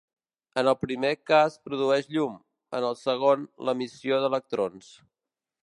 En el primer cas produeix llum, en el segon l'emissió d'electrons.